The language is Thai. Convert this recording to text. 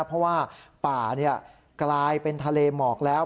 เพราะว่าป่ากลายเป็นทะเลหมอกแล้ว